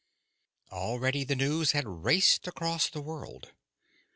Already the news had raced across the world.